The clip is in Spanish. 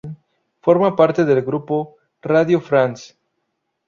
Forma parte del grupo "Radio France".